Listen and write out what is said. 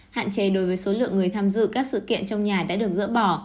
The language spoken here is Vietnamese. hạn chế đối với số lượng người tham dự các sự kiện trong nhà đã được dỡ bỏ